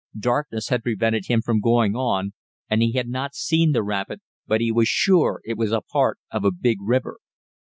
Darkness had prevented him from going on, and he had not seen the rapid, but he was sure it was a part of a big river.